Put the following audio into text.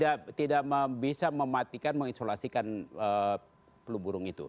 ya kita tidak bisa mematikan mengisolasi kan flu burung itu